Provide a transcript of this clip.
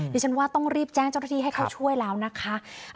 ดิฉันว่าต้องรีบแจ้งเจ้าหน้าที่ให้เขาช่วยแล้วนะคะ